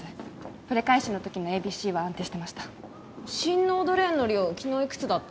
プレ回診の時のＡＢＣは安定してました心嚢ドレーンの量昨日いくつだった？